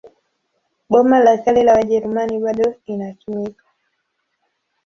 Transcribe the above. Boma la Kale la Wajerumani bado inatumika.